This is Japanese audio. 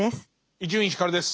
伊集院光です。